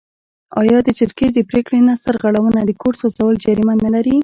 آیا د جرګې د پریکړې نه سرغړونه د کور سوځول جریمه نلري؟